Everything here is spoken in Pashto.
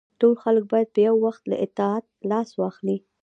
ټول خلک باید په یو وخت له اطاعت لاس واخلي.